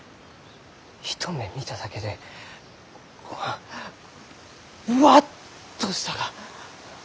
一目見ただけでここがぶわっとしたが！